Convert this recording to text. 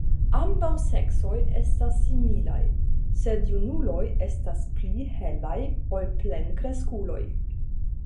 Ambaŭ seksoj estas similaj, sed junuloj estas pli helaj ol plenkreskuloj.